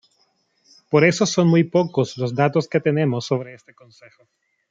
Por eso son muy pocos los datos que tenemos sobre este concejo.